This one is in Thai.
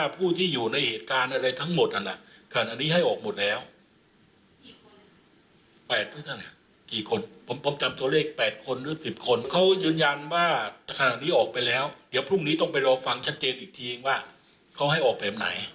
ผมจำตัวเลข๘คนหรือ๑๐คนเขายืนยันว่าถ้าขณะนี้ออกไปแล้วเดี๋ยวพรุ่งนี้ต้องไปรอฟังชัดเจนอีกทีว่าเขาให้ออกแบบไหน